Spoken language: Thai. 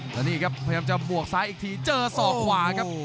แล้วนี่ครับพยายามจะบวกซ้ายอีกทีเจอศอกขวาครับ